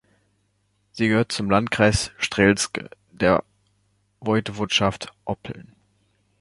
Sie gehört zum Landkreis Strzelce der Woiwodschaft Oppeln.